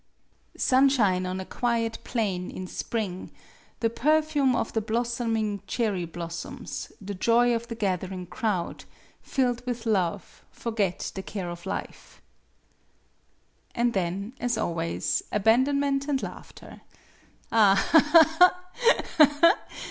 20 MADAME BUTTERFLY " Sunshine on a quiet plain in spring, The perfume of the blooming cherry blossoms, The joy of the gathering crowd, Filled with love, forget the care of life." And then, as always, abandonment and laughter. "Aha, ha, ha!